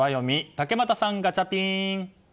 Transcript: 竹俣さん、ガチャピン。